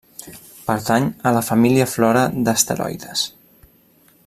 Pertany a la Família Flora d'asteroides.